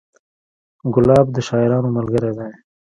ګلاب د شاعرانو ملګری دی.